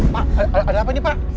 pak ada apa ini pak